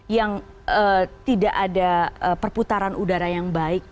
yang tidak ada perputaran udara yang baik